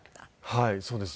はいそうです。